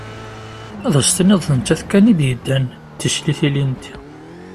Ad as-tiniḍ d nettat kan i d-yeddan d tislit ilindi.